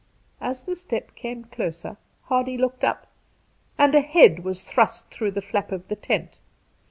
As the step came closer Hardy looked up, and a head was thrust through the flap of the tent.